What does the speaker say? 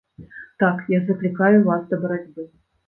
Так, я заклікаю вас да барацьбы.